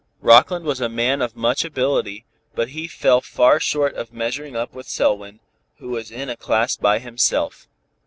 Rockland was a man of much ability, but he fell far short of measuring up with Selwyn, who was in a class by himself.